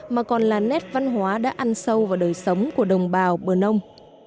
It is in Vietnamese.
mà còn là nét văn hóa đã ăn sâu vào đời sống của đồng bào bờ nông